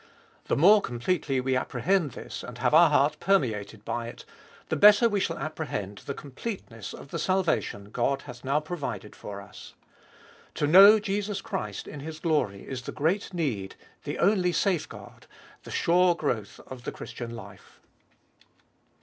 The more completely we apprehend this, and have our heart per meated by it, the better we shall apprehend the completeness of the salvation God hath now provided for us. To know Jesus Christ in His glory is the great need, the only safeguard, the sure growth of the Christian life.